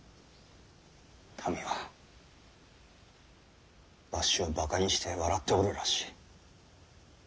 民はわしをバカにして笑っておるらしい。